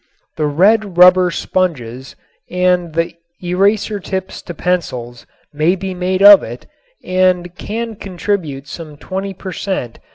The "red rubber" sponges and the eraser tips to pencils may be made of it and it can contribute some twenty per cent.